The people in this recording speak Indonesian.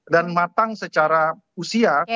dan matang secara usia